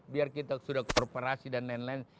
biar kita sudah korporasi dan lain lain